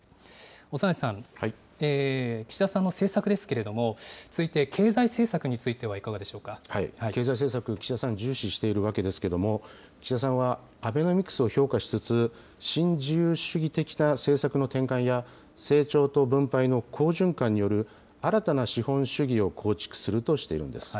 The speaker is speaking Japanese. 長内さん、岸田さんの政策ですけれども、続いて経済政策について経済政策、岸田さん、重視しているわけですけれども、岸田さんは、アベノミクスを評価しつつ、新自由主義的な政策の転換や、成長と分配の好循環による新たな資本主義を構築するとしているんです。